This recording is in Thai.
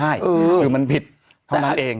ใช่คือมันผิดเท่านั้นเอง